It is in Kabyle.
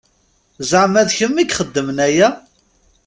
Zeɛma d kemm i ixedmen aya?